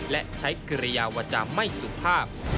และใช้เกรียวว่าจะไม่สุภาพ